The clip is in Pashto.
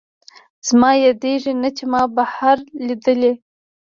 زما یادېږي نه، چې ما بهار لیدلی